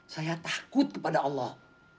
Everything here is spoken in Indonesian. saya takut kepada allah